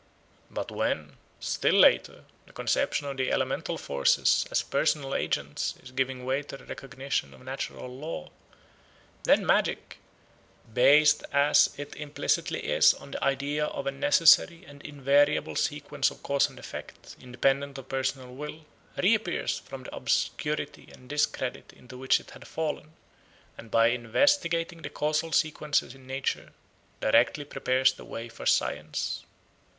But when, still later, the conception of the elemental forces as personal agents is giving way to the recognition of natural law; then magic, based as it implicitly is on the idea of a necessary and invariable sequence of cause and effect, independent of personal will, reappears from the obscurity and discredit into which it had fallen, and by investigating the causal sequences in nature, directly prepares the way for science.